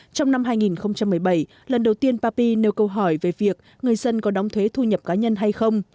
trong năm hai nghìn một mươi bảy lần đầu tiên papi nêu câu hỏi về việc người dân có đóng thuế thu nhập cá nhân hay không